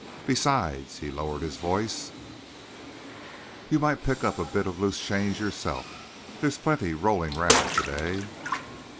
Besides" he lowered his voice "you might pick up a bit of loose change yourself. They's a plenty rolling round to day."